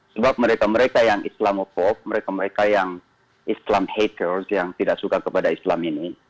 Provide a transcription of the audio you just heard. sebab mereka mereka yang islam off mereka mereka yang islam haters yang tidak suka kepada islam ini